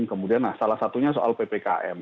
kemudian salah satunya soal ppkm